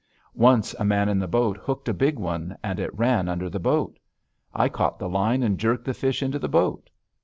Once a man in the boat hooked a big one and it ran under the boat. I caught the line and jerked the fish into the boat.